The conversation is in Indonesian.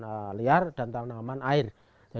terkait dengan keinginasan kerta topeng tersebut